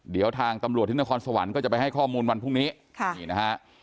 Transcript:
เดี๋ยวทางตำรวจที่นครสวรรค์ก็จะไปให้ข้อมูลวันพรุ่งนี้ค่ะนี่นะฮะ